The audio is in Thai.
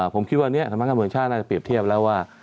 ผมคิดว่านี้สำนักการเมืองชาติน่าจะเปรียบเทียบแล้วว่า